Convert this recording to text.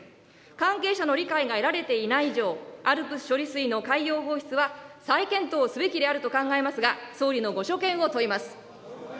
関係者の理解が得られていない以上、ＡＬＰＳ処理水の海洋放出は、再検討すべきであると考えますが、総理のご所見を問います。